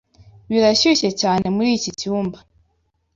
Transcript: Birashyushye cyane muri iki cyumba.